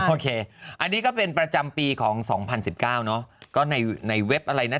โอเคอันนี้ก็เป็นประจำปีของสองพันสิบเก้าเนอะก็ในในเว็บอะไรน่ะ